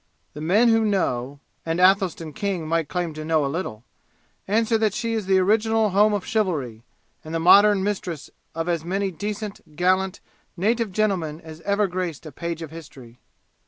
The men who know and Athelstan King might claim to know a little answer that she is the original home of chivalry and the modern mistress of as many decent, gallant, native gentlemen as ever graced a page of history.